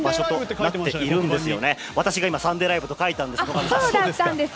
これ、私が今「サンデーＬＩＶＥ！！」と書いたんです。